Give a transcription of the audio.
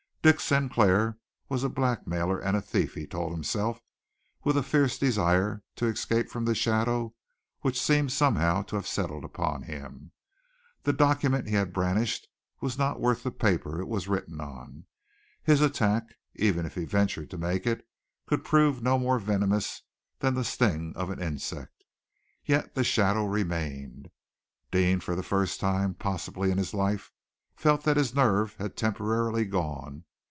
Dick Sinclair was a blackmailer and a thief, he told himself, with a fierce desire to escape from the shadow which seemed somehow to have settled upon him. The document he had brandished was not worth the paper it was written on! His attack, even if he ventured to make it, could prove no more venomous than the sting of an insect. Yet the shadow remained. Deane, for the first time, possibly, in his life, felt that his nerve had temporarily gone.